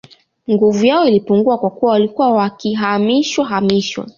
Nguvu yao ilipungua kwa kuwa walikuwa wakihamishwa hamishwa